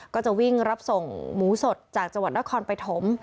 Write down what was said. ก็จะวิ่งรับส่งหมูสดจากจังหวัดนครปฐม